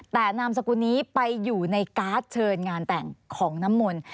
แต่นามสกุลนี้ไปอยู่ในการ์ดเชิญงานแต่งของน้ำมนต์